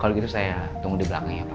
kalau gitu saya tunggu di belakang ya pak